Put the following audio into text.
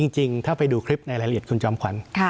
จริงถ้าไปดูคลิปในรายละเอียดคุณจอมขวัญ